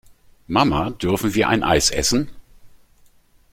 Mama, dürfen wir ein Eis essen?